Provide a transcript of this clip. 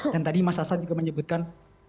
dan tadi mas hasan juga menyebutkan